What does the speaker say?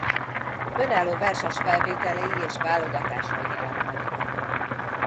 Önálló verses felvételei és válogatásai jelentek meg.